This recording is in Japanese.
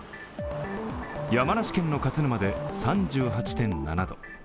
山梨県の勝沼で３８．７度。